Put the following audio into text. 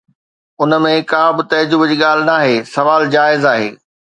ان ۾ ڪا به تعجب جي ڳالهه ناهي، سوال جائز آهي.